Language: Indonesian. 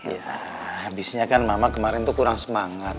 ya habisnya kan mama kemarin tuh kurang semangat